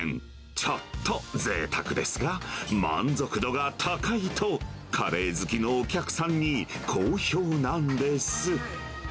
ちょっとぜいたくですが、満足度が高いと、カレー好きのお客さんに好評なんです。